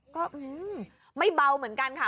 ก็ไม่เบาเหมือนกันค่ะ